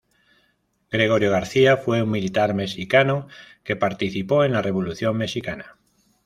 Gregorio García fue un militar mexicano que participó en la Revolución mexicana.